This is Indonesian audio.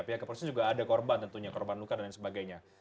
pihak kepolisian juga ada korban tentunya korban luka dan lain sebagainya